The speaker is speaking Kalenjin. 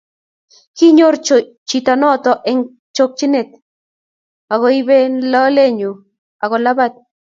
Kinyor choto noto eng chokchinet agoibeno lolenyu agolabat